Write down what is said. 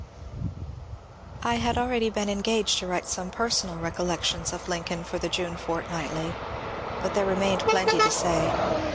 I had already been engaged to write some personal recol lections of Lincoln for the June " Fortnightly," but there re mained plenty to say.